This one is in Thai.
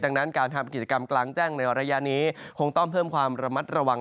ดังนั้นการทำกิจกรรมกลางแจ้งในระยะนี้คงต้องเพิ่มความระมัดระวัง